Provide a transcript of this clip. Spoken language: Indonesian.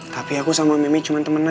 tapi aku sama mimmy cuman temenan ya